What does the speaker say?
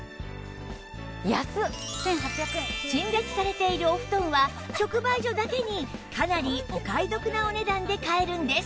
陳列されているお布団は直売所だけにかなりお買い得なお値段で買えるんです